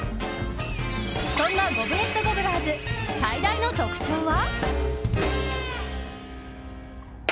そんなゴブレットゴブラーズ最大の特徴は。